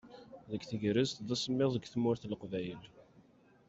Deg tegrest d asemmiḍ deg tmurt n Leqbayel.